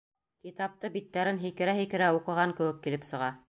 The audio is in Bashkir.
Китапты биттәрен һикерә-һикерә уҡыған кеүек килеп сыға.